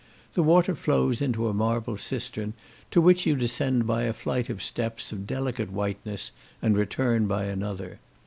The water flows into a marble cistern, to which you descend by a flight of steps of delicate whiteness, and return by another.